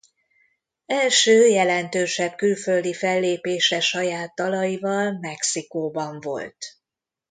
Első jelentősebb külföldi fellépése saját dalaival Mexikóban volt.